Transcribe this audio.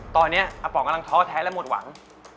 ตอนนี้อาป๋องกำลังท้อแท้และหมดหวัง